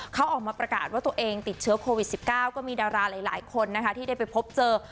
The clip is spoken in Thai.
เขาออกมาประกาศว่าตัวเองติดเชื้อโควิด๑๙ก็มีดาราหลายคนนะคะที่ได้ไปพบเจอ